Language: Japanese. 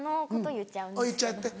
言っちゃって。